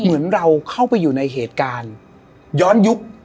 เหมือนเราเข้าไปอยู่ในเหตุการณ์ย้อนยุค